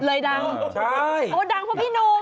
เลยดังโหดังเพราะพี่หนม